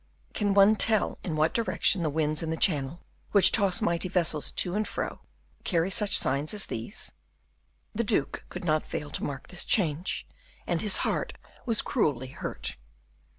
Can one tell in what direction the winds in the Channel, which toss mighty vessels to and fro, carry such sighs as these? The duke could not fail to mark this change, and his heart was cruelly hurt.